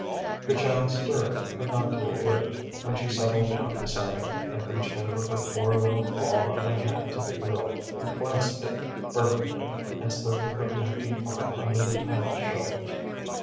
The child stirred, but not to awake, when she settled down beside her, and reached over her poor little claw of a hand to the girl, who clasped it fervently, and slipped a protecting arm under the tiny shoulders.